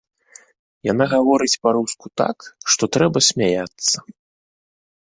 Яна гаворыць па-руску так, што трэба смяяцца.